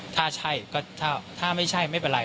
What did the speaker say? ถ้าใช่ก็ถ้าไม่ใช่ไม่เป็นไร